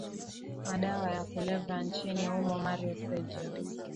madawa ya kulevya nchini humoMario Sergio